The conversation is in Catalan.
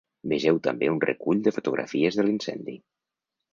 Vegeu també un recull de fotografies de l’incendi.